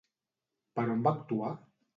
Per on va actuar?